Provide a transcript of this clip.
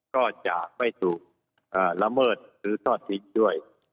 ก็จะไม่ถูกละเมิดหรือทอดทิ้งด้วย